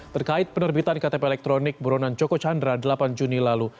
terkait penerbitan ktp elektronik buronan joko chandra delapan juni lalu